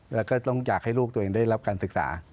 แล้วก็ต้องอยากให้ลูกตัวเองได้รับการศึกษา